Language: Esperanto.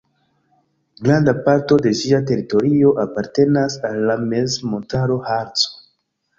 Granda parto de ĝia teritorio apartenas al la mezmontaro Harco.